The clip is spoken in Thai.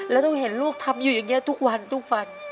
แล้วต้องเห็นลูกทำอยู่อย่างนี้ทุกวันทุกวัน